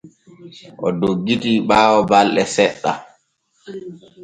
O doggiti ɓaawo balɗe seɗɗa.